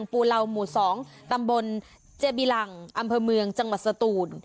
ปูราวหมู่สองตำบลเจบีลังอำเพลิงจังหวัดศ์ตูน